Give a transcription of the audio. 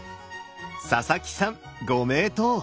佐々木さんご名答！